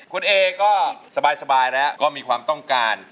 คุณเอก็สบายแล้วก็มีความต้องการ